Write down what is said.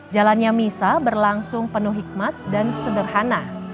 jalannya misa berlangsung penuh hikmat dan sederhana